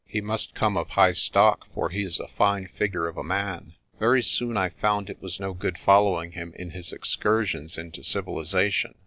He must come of high stock, for he is a fine figure of a man. "Very soon I found it was no good following him in his excursions into civilisation.